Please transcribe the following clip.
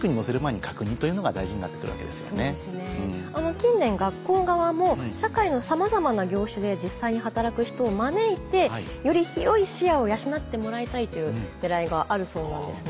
近年学校側も社会のさまざまな業種で実際に働く人を招いてより広い視野を養ってもらいたいという狙いがあるそうなんですね。